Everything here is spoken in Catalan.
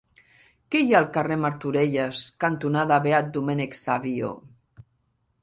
Què hi ha al carrer Martorelles cantonada Beat Domènec Savio?